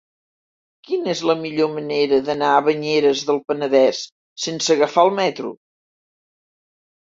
Quina és la millor manera d'anar a Banyeres del Penedès sense agafar el metro?